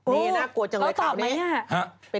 นี่น่ากลัวจังเลยข่าวนี้